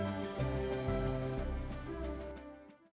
untuk mencapai kemampuan yang terbaik